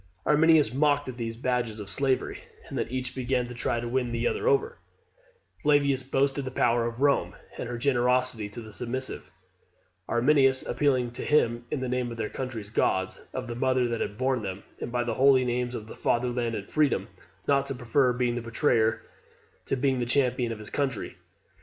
Arminius mocked at these as badges of slavery; and then each began to try to win the other over; Flavius boasting the power of Rome, and her generosity to the submissive; Arminius appealing to him in the name of their country's gods, of the mother that had borne them, and by the holy names of fatherland and freedom, not to prefer being the betrayer to being the champion of his country.